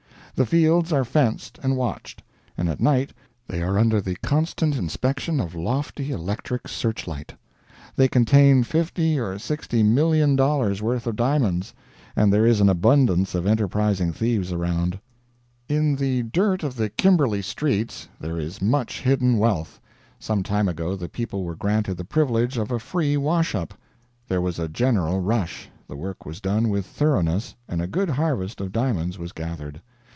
The fields are fenced and watched; and at night they are under the constant inspection of lofty electric searchlight. They contain fifty or sixty million dollars' worth' of diamonds, and there is an abundance of enterprising thieves around. In the dirt of the Kimberley streets there is much hidden wealth. Some time ago the people were granted the privilege of a free wash up. There was a general rush, the work was done with thoroughness, and a good harvest of diamonds was gathered.